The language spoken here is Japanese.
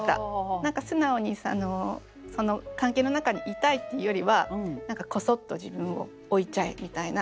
何か素直にその関係の中にいたいっていうよりはコソッと自分を置いちゃえみたいな。